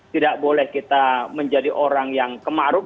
tidak boleh kita menjadi orang yang kemaruf